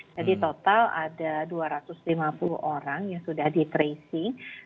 jadi total ada dua ratus lima puluh orang yang sudah di tracing